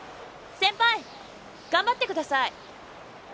先輩頑張ってください。